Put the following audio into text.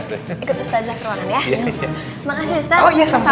ikut ustazah ke ruangan ya